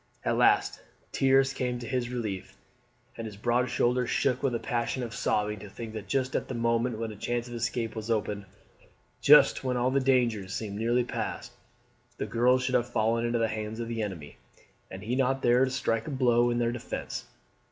At last tears came to his relief, and his broad shoulders shook with a passion of sobbing to think that just at the moment when a chance of escape was opened just when all the dangers seemed nearly past the girls should have fallen into the hands of the enemy, and he not there to strike a blow in their defence.